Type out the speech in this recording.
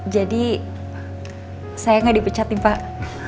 jadi saya gak dipecat nih pak